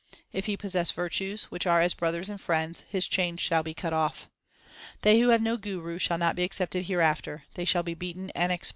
If he possess virtues, which are as brothers and friends, his chains shall be cut off. They who have no Guru shall not be accepted hereafter ; they shall be beaten and expelled.